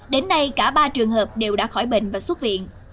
đến nay cả ba trường hợp đều đã khỏi bệnh và xuất viện